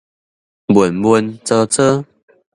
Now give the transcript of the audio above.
悶悶慒慒